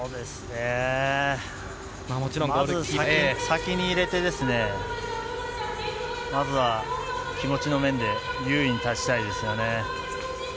まず、先に入れて、まずは気持ちの面で優位に立ちたいですよね。